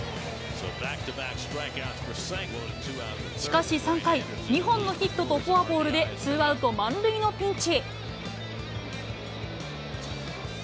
しかし３回、２本のヒットとフォアボールでツーアウト満塁のピンチ。